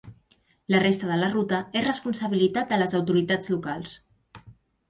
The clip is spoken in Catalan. La resta de la ruta és responsabilitat de les autoritats locals.